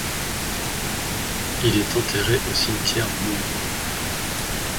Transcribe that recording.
Il est enterré au cimetière de Monaco.